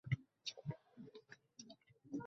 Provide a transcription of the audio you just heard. North Carolina State University এখানে অবস্থিত।